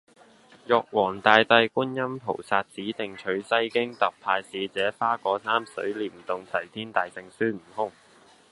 玉皇大帝觀音菩薩指定取西經特派使者花果山水簾洞齊天大聖孫悟空